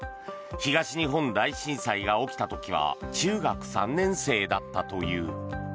東日本大震災が起きた時は中学３年生だったという。